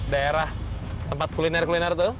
daerah tempat kuliner kuliner tuh